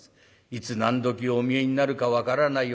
いつ何どきお見えになるか分からない